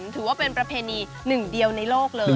ถือว่าเป็นประเพณีหนึ่งเดียวในโลกเลย